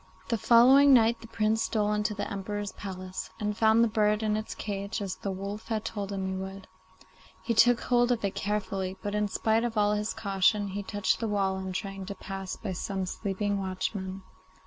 The following night the Prince stole into the Emperor's palace, and found the bird in its cage as the wolf had told him he would. He took hold of it carefully, but in spite of all his caution he touched the wall in trying to pass by some sleeping watchmen.